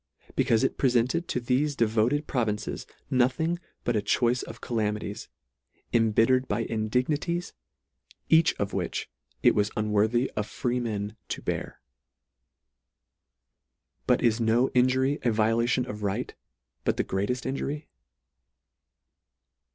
Becaufe it prefented to thefe devoted provinces nothing but a choice of calamities, imbittered by indignities, each of which it was unworthy of freemen to bear. But is no injury a vi olation of right but the greatejl injury